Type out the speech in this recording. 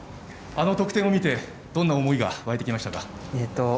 あの得点を見てどんな思いが湧いてきましたか。